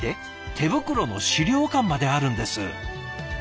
手袋の資料館まであるんです。